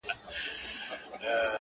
o ډېـــره شناخته مي په وجود كي ده،